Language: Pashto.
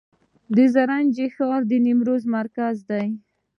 د زرنج ښار د نیمروز مرکز دی